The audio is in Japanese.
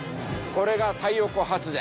これが太陽光発電。